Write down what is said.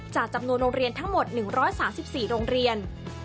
จำนวนโรงเรียนทั้งหมด๑๓๔โรงเรียน